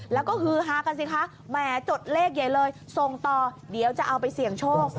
แล้วก็ฮือฮากันสิคะแหมจดเลขใหญ่เลยส่งต่อเดี๋ยวจะเอาไปเสี่ยงโชค